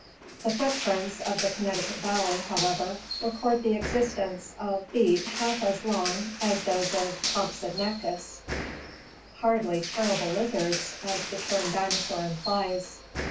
The footprints of the Connecticut valley, however, record the existence of feet half as long as those of Compsognatkus, hardly "terrible lizards" as the term dinosaur implies.